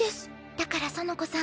だから園子さん